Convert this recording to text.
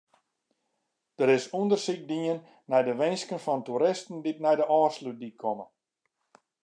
Der is ûndersyk dien nei de winsken fan toeristen dy't nei de Ofslútdyk komme.